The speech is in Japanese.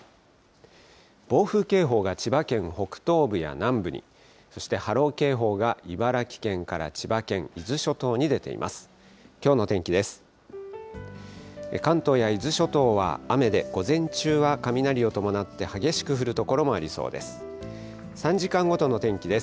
暴風警報が千葉県北東部や南部に、そして波浪警報が茨城県から千葉県、伊豆諸島に出ています。